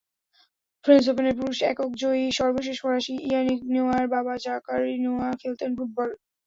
French ওপেনের পুরুষ এককজয়ী সর্বশেষ ফরাসি ইয়ানিক নোয়ার বাবা জাকারি নোয়া খেলতেন ফুটবল।